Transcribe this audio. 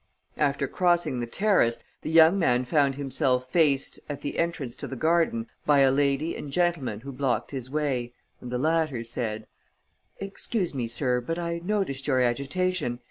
After crossing the terrace, the young man found himself faced, at the entrance to the garden, by a lady and gentleman who blocked his way; and the latter said: "Excuse me, sir, but I noticed your agitation.